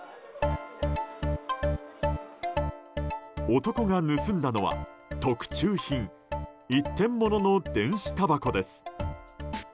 男が盗んだのは特注品１点物の電子たばこです。